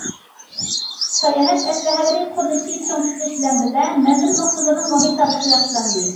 ساياھەت ئەسلىھەلىرى قۇرۇلۇشى چىڭ تۇتۇلۇش بىلەن بىللە، مەنزىرە نۇقتىلىرىنىڭ مۇھىت تازىلىقى ياخشىلاندى.